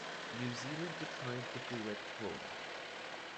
New Zealand declined the duet quota.